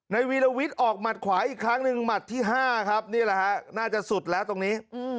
วีรวิทย์ออกหมัดขวาอีกครั้งหนึ่งหมัดที่๕ครับนี่แหละฮะน่าจะสุดแล้วตรงนี้